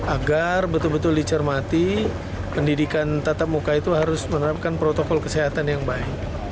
agar betul betul dicermati pendidikan tatap muka itu harus menerapkan protokol kesehatan yang baik